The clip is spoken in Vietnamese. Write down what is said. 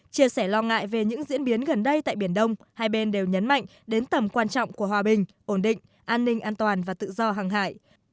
chia sẻ lo ngại về những diễn biến gần đây tại biển đông hai bên đều nhấn mạnh đến tầm quan trọng của hòa bình ổn định an ninh an toàn và tự do hàng hải